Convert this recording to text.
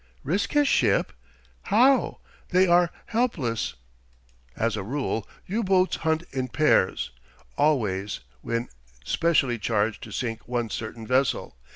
"Risk his ship? How? They are helpless " "As a rule, U boats hunt in pairs; always, when specially charged to sink one certain vessel.